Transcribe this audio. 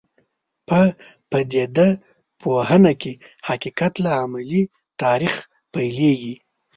په پدیده پوهنه کې حقیقت له عملي تاریخ پیلېږي.